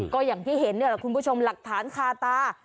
ก็อย่างที่เห็นคุณผู้ชมหลักฐานคาตา